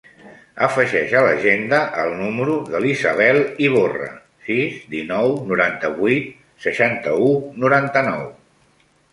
Afegeix a l'agenda el número de l'Isabel Ivorra: sis, dinou, noranta-vuit, seixanta-u, noranta-nou.